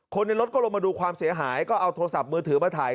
ในรถก็ลงมาดูความเสียหายก็เอาโทรศัพท์มือถือมาถ่าย